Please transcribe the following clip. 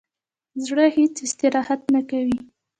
زړه هیڅ استراحت نه کوي